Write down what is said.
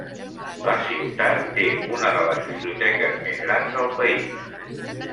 La ciutat té una de les biblioteques més grans del país.